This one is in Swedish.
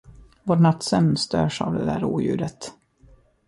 Vår nattsömn störs av det där oljudet!